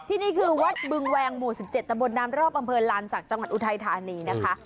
นี่คือวัดบึงแวงหมู่๑๗ตะบนน้ำรอบอำเภอลานศักดิ์จังหวัดอุทัยธานีนะคะ